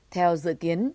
theo dự kiến